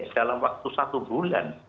dalam waktu satu bulan